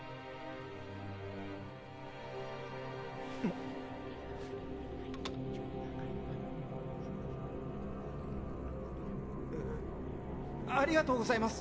っ⁉ぁありがとうございます。